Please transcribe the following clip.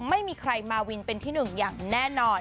ไม่มีใครมาวินเป็นที่หนึ่งอย่างแน่นอน